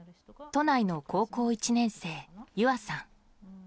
都内の高校１年生、結愛さん。